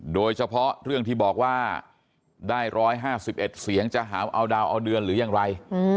โดยเฉพาะเรื่องที่บอกว่าได้๑๕๑เสียงจะหาเอาดาวเอาเดือนหรือยังไร